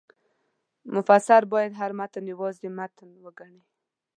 مفسر باید هر متن یوازې متن وګڼي.